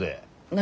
何？